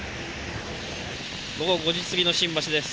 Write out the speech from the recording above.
午後５時過ぎの新橋です。